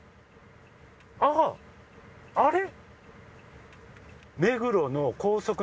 あぁ！あれ？